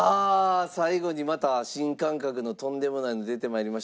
最後にまた新感覚のとんでもないの出て参りました。